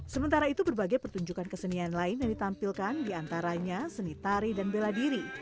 sementara itu berbagai pertunjukan kesenian lain yang ditampilkan diantaranya seni tari dan bela diri